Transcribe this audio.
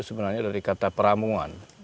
sebenarnya dari kata peramuan